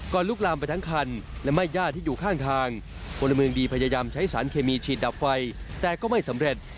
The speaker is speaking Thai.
ก็พยายามใช้สารเคมีฉีดดับไฟแต่ก็ไม่สำเร็จ